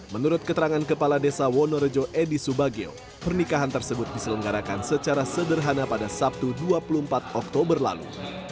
menurut keterangan kepala desa wonorejo edi subagio pernikahan tersebut diselenggarakan secara sederhana pada sabtu dua puluh empat oktober lalu